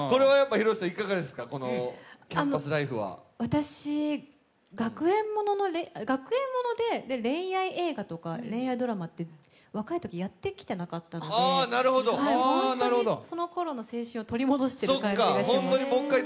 私、学園もので恋愛映画とか恋愛ドラマって、若いときやってきてなかったので本当にその頃の青春を取り戻してる感じがします。